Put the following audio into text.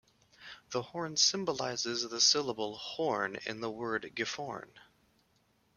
The horn symbolises the syllable "horn" in the word Gifhorn.